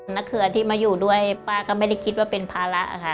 เครือที่มาอยู่ด้วยป้าก็ไม่ได้คิดว่าเป็นภาระค่ะ